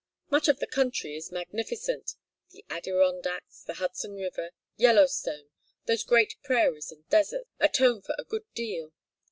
Much of the country is magnificent. The Adirondacks, the Hudson River, Yellowstone, those great prairies and deserts, atone for a good deal.